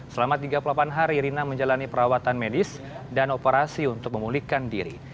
selama tiga puluh delapan hari rina menjalani perawatan medis dan operasi untuk memulihkan diri